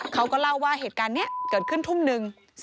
เขาก็เล่าว่าเหตุการณ์นี้เกิดขึ้นทุ่มนึง